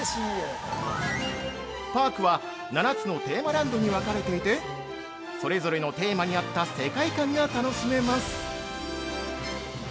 パークは７つのテーマランドに分かれていてそれぞれのテーマに合った世界観が楽しめます。